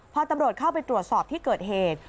พอตำรวจเข้าไปตรวจสอบที่เกิดเหตุ